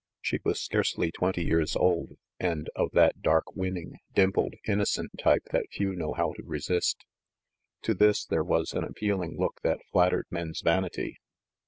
She was scarcely twenty years old, and of that dark, winning, dimpled, innocent type that few know how to resist. To this, there was an appealing look that flattered men's vanity.